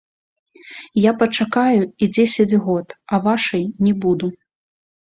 Я пачакаю і дзесяць год, а вашай не буду.